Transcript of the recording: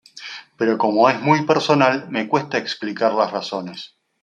Pero como es muy personal, me cuesta explicar las razones.